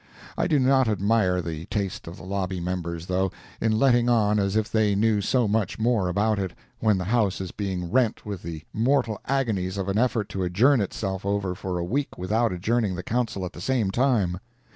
I do not admire the taste of the lobby members, though, in letting on as if they knew so much more about it, when the House is being rent with the mortal agonies of an effort to adjourn itself over for a week without adjourning the Council at the same time.